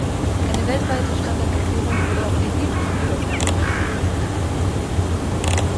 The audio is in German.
Eine weltweite Standardisierung würde auf erheblichen Widerstand treffen.